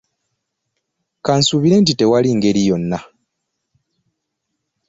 Ka nsuubire nti tewali ngeri yonna?